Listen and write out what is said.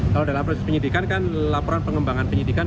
kalau dalam proses penyidikan kan laporan pengembangan penyidikan